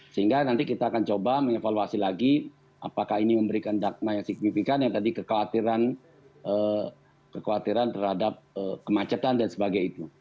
sehingga nanti kita akan coba mengevaluasi lagi apakah ini memberikan dakna yang signifikan yang tadi kekhawatiran terhadap kemacetan dan sebagainya